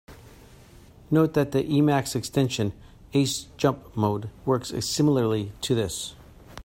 Note that the Emacs extension "Ace jump mode" works similarly to this.